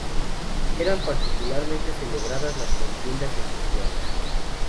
Eran particularmente celebradas las contiendas entre flores.